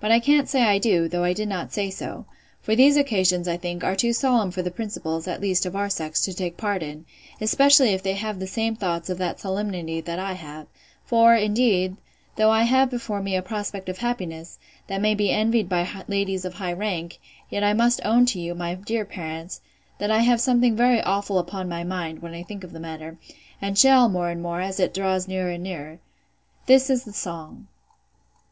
—But I can't say I do; though I did not say so: for these occasions, I think, are too solemn for the principals, at least of our sex, to take part in, especially if they have the same thoughts of that solemnity that I have: For, indeed, though I have before me a prospect of happiness, that may be envied by ladies of high rank, yet I must own to you, my dear parents, that I have something very awful upon my mind, when I think of the matter; and shall, more and more, as it draws nearer and nearer. This is the song: I.